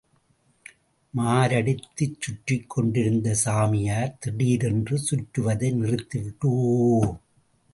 மாரடித்துச் சுற்றிக்கொண்டிருந்த சாமியார், திடீரென்று சுற்றுவதை நிறுத்திவிட்டு, ஒ!